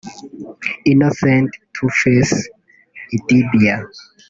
Innocent (Tuface) Idibia